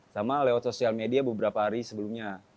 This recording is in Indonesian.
sama lewat sosial media beberapa hari sebelumnya